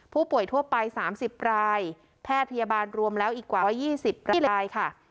ผู้ป่วยทั่วไป๓๐รายแพทย์พยาบาลรวมแล้วอีกกว่า๒๐รายค่ะ